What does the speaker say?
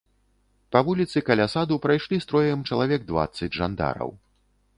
Па вуліцы, каля саду, прайшлі строем чалавек дваццаць жандараў.